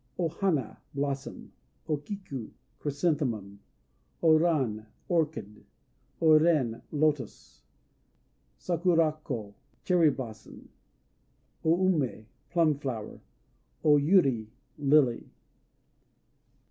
_ O Hana "Blossom." O Kiku "Chrysanthemum." O Ran "Orchid." O Ren "Lotos." Sakurako "Cherryblossom." O Umé "Plumflower." O Yuri "Lily."